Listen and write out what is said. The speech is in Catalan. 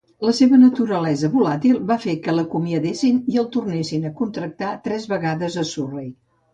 La seva naturalesa volàtil va fer que l'acomiadessin i el tornessin a contractar tres vegades a Surrey.